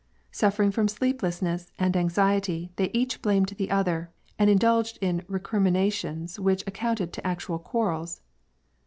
Suffering from sleeplessness and anxiety, they each blamed the other, and indulged in recriminations which amounted to actual quarrels.